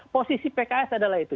posisi pks adalah itu